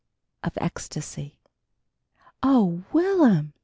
of ecstasy. "Oh, Will'm!"